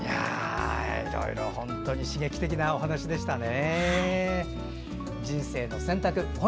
本当に刺激的なお話でしたね。